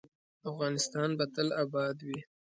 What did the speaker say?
افغانستان به تل اباد وي